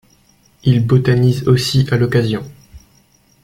Il botanise aussi à l'occasion.